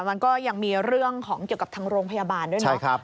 มันก็ยังมีเรื่องของเกี่ยวกับทางโรงพยาบาลด้วยนะ